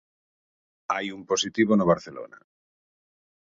Hai un positivo no Barcelona.